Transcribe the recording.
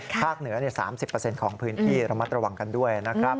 เหนือ๓๐ของพื้นที่ระมัดระวังกันด้วยนะครับ